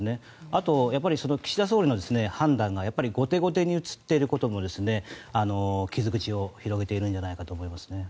あと、岸田総理の判断が後手後手に映っていることも傷口を広げているんじゃないかと思います。